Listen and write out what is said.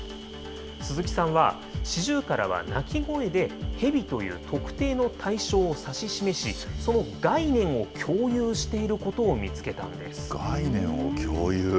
鈴木さんは、シジュウカラは鳴き声でヘビという特定の対象を指し示し、その概念を共有していることを見つけたんです。